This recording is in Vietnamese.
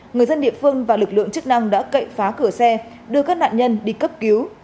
người dân địa phương và lực lượng chức năng đã cậy phá cửa xe đưa các nạn nhân đi cấp cứu